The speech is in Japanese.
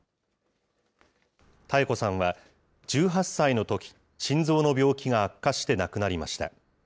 妙子さんは、１８歳のとき、心臓の病気が悪化して亡くなりました。